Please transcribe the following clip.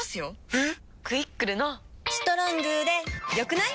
えっ⁉「クイックル」の「『ストロング』で良くない？」